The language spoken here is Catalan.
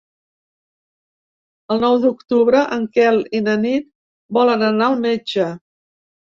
El nou d'octubre en Quel i na Nit volen anar al metge.